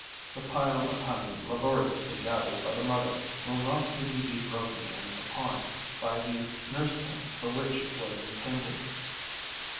The pile of honey laboriously gathered by the mother will not even be broken in upon by the nurseling for which it was intended.